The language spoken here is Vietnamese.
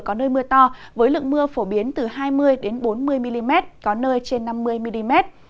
có nơi mưa to với lượng mưa phổ biến từ hai mươi bốn mươi mm có nơi trên năm mươi mm